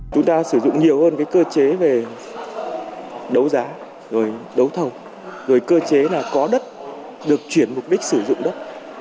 chúng ta sử dụng nhiều hơn cơ chế về đấu giá đấu thầu cơ chế có đất được chuyển mục đích sử dụng đất